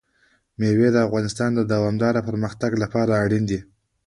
مېوې د افغانستان د دوامداره پرمختګ لپاره اړین دي.